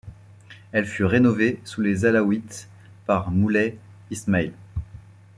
Elle fut rénovée sous les Alaouites par Moulay Ismaïl.